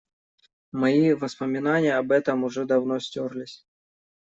Мои воспоминания об этом уже давно стёрлись.